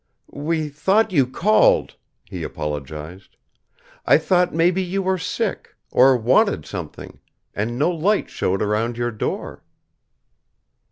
"We thought you called," he apologized. "I thought maybe you were sick, or wanted something; and no light showed around your door."